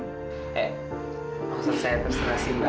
eh maksud saya terserah sama mbak aja